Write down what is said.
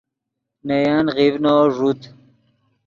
نے ین غیڤنو ݱوت